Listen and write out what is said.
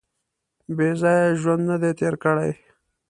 • بېځایه یې ژوند نهدی تېر کړی.